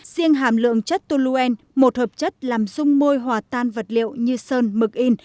riêng hàm lượng chất toluen một hợp chất làm dung môi hòa tan vật liệu như sơn mực in